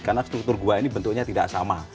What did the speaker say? karena struktur gua ini bentuknya tidak sama